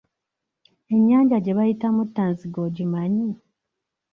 Ennyanja gye bayita Muttanzige ogimanyi?